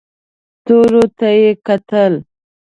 ستورو ته یې کتل.